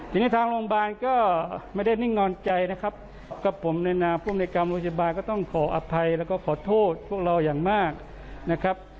ทีนี้ทางโรงพยาบาลก็ไม่ได้นิ่งนอนใจนะครับกับผมในนามภูมิในการโรงพยาบาลก็ต้องขออภัยแล้วก็ขอโทษพวกเราอย่างมากนะครับ